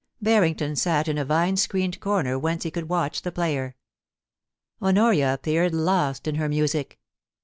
Barrington sat in a vine screened corner whence he could watch the player. Honoria appeared lost in her music